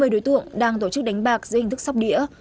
ba mươi đối tượng đang tổ chức đánh bạc dưới hình thức sóc đĩa